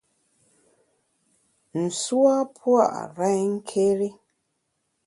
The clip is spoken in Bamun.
Nsu a pua’ renké́ri.